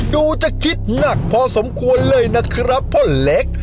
จะคิดหนักพอสมควรเลยนะครับพ่อเล็ก